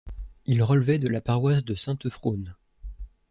Il relevait de la paroisse de Saint-Euphrône.